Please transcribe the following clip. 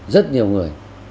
rất nhiều người